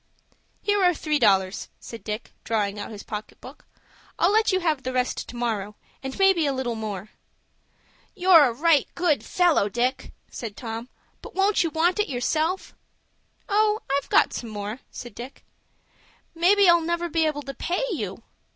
"Here are three dollars," said Dick, drawing out his pocket book. "I'll let you have the rest to morrow, and maybe a little more." "You're a right down good fellow, Dick," said Tom; "but won't you want it yourself?" "Oh, I've got some more," said Dick. "Maybe I'll never be able to pay you."